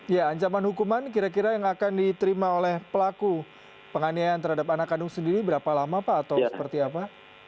ya ancaman hukuman kira kira yang akan diterima oleh pelaku penganiayaan terhadap anak kandung sendiri berapa lama pak atau seperti apa